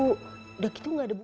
udah gitu gak ada bu